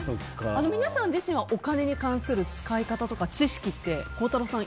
皆さん自身はお金に関する使い方とか知識って、孝太郎さん